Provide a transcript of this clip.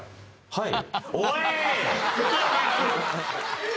はい。